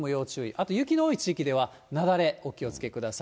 あと雪の多い地域では、雪崩、お気をつけください。